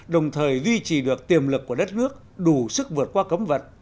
đồng thời duy trì được tiềm lực của đất nước đủ sức vượt qua cấm vận